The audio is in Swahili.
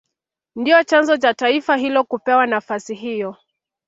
Ndio chanzo cha taifa hilo kupewa nafasi hiyo